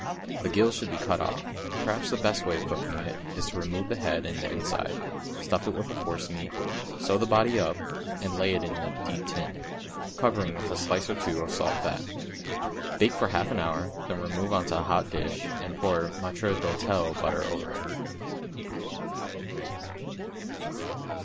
The gills should be cut off. Perhaps the best way of cooking it is to remove the head and the inside, stuff it with a forcemeat, sew the body up and lay it in a deep tin, covering with a slice or two of salt fat. Bake for half an hour, then remove on to a hot dish, and pour maître d'hôtel butter over it.